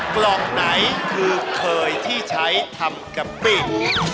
เกราะไหนคือเคยที่ใช้ทำกับปิด